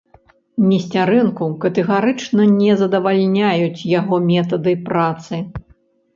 Несцярэнку катэгарычна не задавальняюць яго метады працы.